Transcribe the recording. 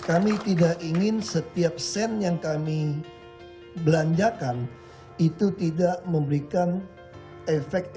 kami tidak ingin setiap sen yang kami belanjakan itu tidak memberikan efek